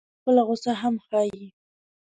ملګری ته خپله غوسه هم ښيي